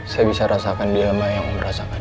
saya bisa rasakan dilema yang om merasakan